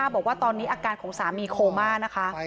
บอกว่าตอนนี้อาการของสามีโคม่านะคะ